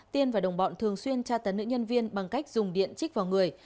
tiên và đồng bọn thường xuyên tra tấn nữ nhân viên bằng cách dùng điện chích vào người